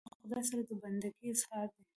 سندره له خدای سره د بندګي اظهار دی